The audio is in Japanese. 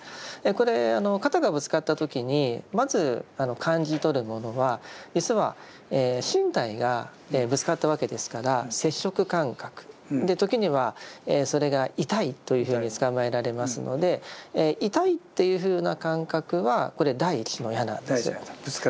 これ肩がぶつかった時にまず感じ取るものは実は身体がぶつかったわけですから接触感覚時にはそれが痛いというふうにつかまえられますので痛いっていうふうな感覚はこれ第一の矢なんですよ。